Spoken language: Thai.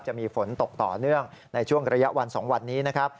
จะมีฝนตกต่อเนื่องในช่วงระยะวัน๒วันนี้นะครับ